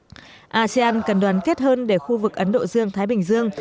các đại biểu cho biết asean cần đoàn kết hơn để khu vực ấn độ dương thái bình dương